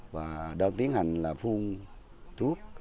và đang tiến hành là phun thuốc